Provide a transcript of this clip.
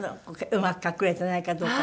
うまく隠れてないかどうか。